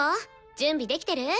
準備できてる？